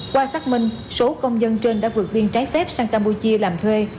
qua xác minh số công dân trên đã vượt biên trái phép sang campuchia làm thuê